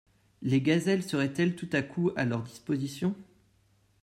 Les gazelles seraient-elles tout à coup à leur disposition?